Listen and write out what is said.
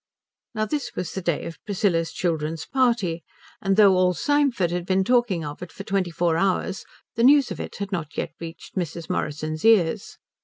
Now this was the day of Priscilla's children's party, and though all Symford had been talking of it for twenty four hours the news of it had not yet reached Mrs. Morrison's ears.